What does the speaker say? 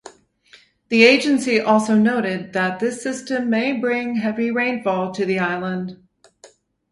The agency also noted that this system may bring heavy rainfall to the island.